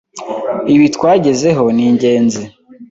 Ibi twagezeho ni ingenzi